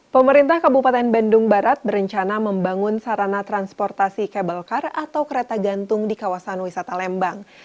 pemerintah kabupaten bandung barat berencana membangun sarana transportasi kabel kar atau kereta gantung di kawasan wisata lembang